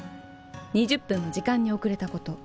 ２０分も時間に遅れたこと。